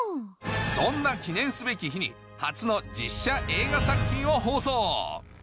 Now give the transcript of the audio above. そんな記念すべき日に初の実写映画作品を放送！